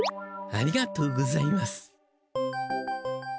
ありがとうございます。